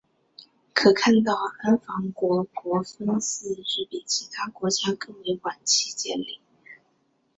可看到安房国国分寺是比其他国家较为晚期建立。